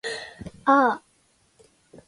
ぁー